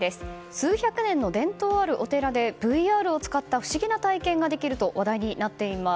数百年の伝統あるお寺でＶＲを使った不思議な体験ができると話題になっています。